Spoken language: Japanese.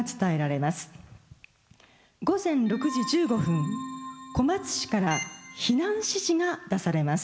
午前６時１５分小松市から避難指示が出されます。